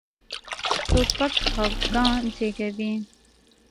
توپک خپګان زېږوي.